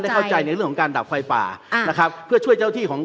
เข้าใจในเรื่องของการดับไฟป่าอ่านะครับเพื่อช่วยเจ้าที่ของ